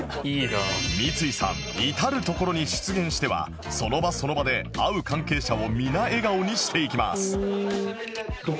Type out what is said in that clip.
三井さん至る所に出現してはその場その場で会う関係者を皆笑顔にしていきます